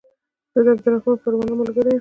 زه د عبدالرحمن پروانه ملګری يم